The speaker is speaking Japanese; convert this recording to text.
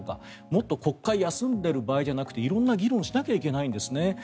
もっと国会を休んでる場合じゃなくて色んな議論をしなきゃいけないんですね。